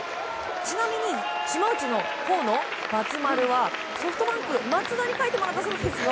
ちなみに、島内の頬の〇×はソフトバンクの松田に書いてもらったそうですよ。